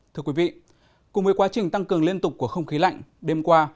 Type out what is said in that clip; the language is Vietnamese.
thưa quý vị cùng với quá trình tăng cường liên tục của không khí lạnh đêm qua